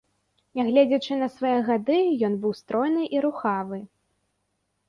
Нягледзячы на свае гады, ён быў стройны і рухавы.